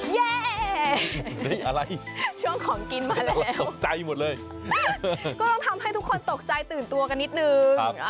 แย่นี่อะไรช่วงของกินมาแล้วตกใจหมดเลยก็ต้องทำให้ทุกคนตกใจตื่นตัวกันนิดนึง